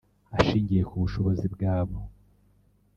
Ashingiye ku bushobozi bwabo